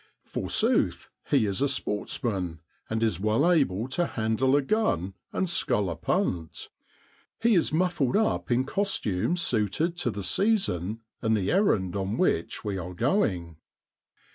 Forsooth ! he is a sportsman, and is well able to handle a gun and scull a punt; he is muffled up in costume suited to the season and the errand on which we are going.